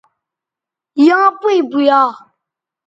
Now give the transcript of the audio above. یاں پیئں پویا